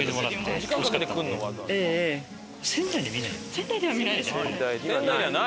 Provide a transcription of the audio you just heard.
仙台では見ないですね。